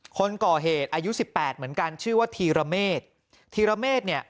คนก่อเหตุอายุสิบแปดเหมือนกันชื่อว่าธีรเมษธีรเมฆเนี่ย